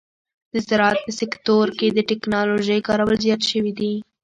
د زراعت په سکتور کې د ټکنالوژۍ کارول زیات شوي دي.